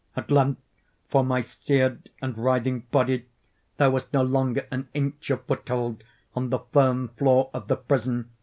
At length for my seared and writhing body there was no longer an inch of foothold on the firm floor of the prison.